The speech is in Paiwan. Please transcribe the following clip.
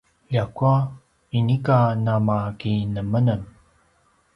ljakua inika namakinemenem